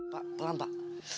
pak pelan pak